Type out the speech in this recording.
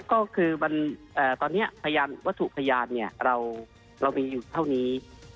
ก็คือตอนนี้พยานวัตถุพยานเรามีอยู่เท่านี้